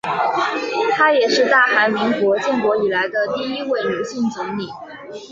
她也是大韩民国建国以来的第一位女性总理。